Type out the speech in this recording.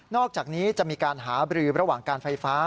อกจากนี้จะมีการหาบรือระหว่างการไฟฟ้า